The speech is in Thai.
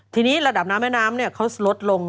ทีนี้ระดับน้ำแม่น้ำเขาลดลง